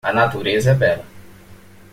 A natureza é bela.